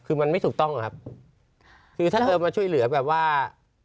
คือมันไม่ถูกต้องอะครับคือถ้าเธอมาช่วยเหลือแบบว่า